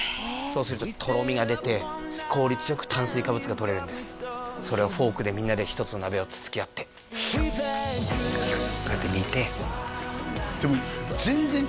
そうするととろみが出て効率よく炭水化物がとれるんですそれをフォークでみんなで１つの鍋をつつき合ってこうやって煮てでも全然違うでしょ？